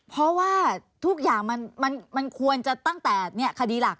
เพราะว่าทุกอย่างมันควรจะตั้งแต่คดีหลัก